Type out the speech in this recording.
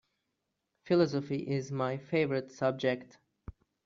Philosophy is my favorite subject.